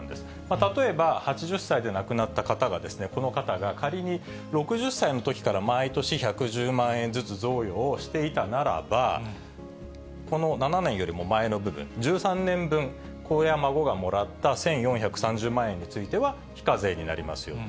例えば、８０歳で亡くなった方がですね、この方が、仮に６０歳のときから、毎年１１０万円ずつ、贈与をしていたならば、この７年よりも前の部分、１３年分、子や孫がもらった１４３０万円については、非課税になりますよと。